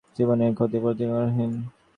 জীবনের এই ক্ষতি প্রতিকারহীন।